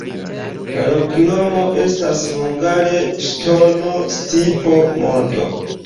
La loknomo estas hungare: ŝtono-stipo-monto.